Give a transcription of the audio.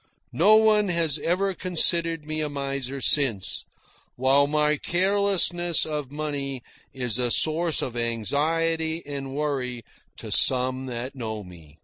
No one has ever considered me a miser since, while my carelessness of money is a source of anxiety and worry to some that know me.